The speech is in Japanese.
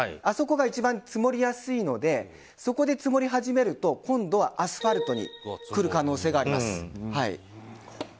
あそこが一番積もりやすいのでそこで積もり始めると今度はアスファルトにくる可能性があります。